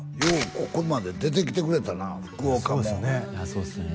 ここまで出てきてくれたな福岡もいやそうですね